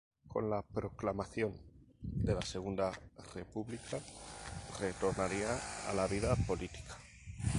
Con la proclamación de la Segunda República retornaría a la vida política.